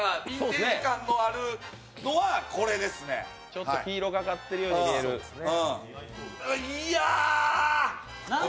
ちょっと黄色がかってるように見えるやつですね。